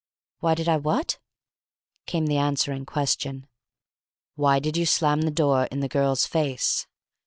"Why did I what?" came the answering question. "Why did you slam the door in the girl's face?"